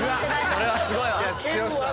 それはすごいわ。